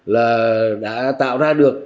là đã tạo ra được